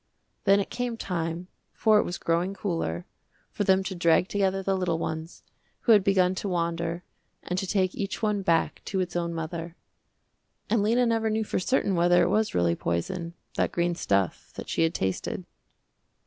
Then it came time, for it was growing cooler, for them to drag together the little ones, who had begun to wander, and to take each one back to its own mother. And Lena never knew for certain whether it was really poison, that green stuff that she had tasted.